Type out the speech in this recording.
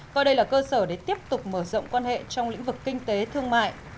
coi đây là cơ sở để tiếp tục mở rộng quan hệ trong lĩnh vực kinh tế thương mại